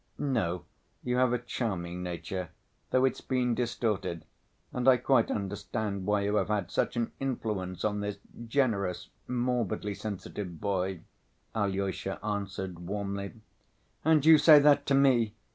"No, you have a charming nature, though it's been distorted, and I quite understand why you have had such an influence on this generous, morbidly sensitive boy," Alyosha answered warmly. "And you say that to me!"